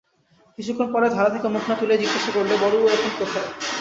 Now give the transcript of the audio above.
কিছুক্ষণ পরে থালা থেকে মুখ না তুলেই জিজ্ঞাসা করলে, বড়োবউ এখন কোথায়?